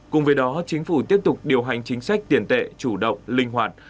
cùng với đó chính phủ tiếp tục điều hành chính sách tiền tệ chủ động linh hoạt